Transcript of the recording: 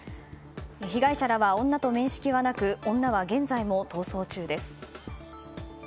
被害者らは女と面識はなく女は現在も逃走中です。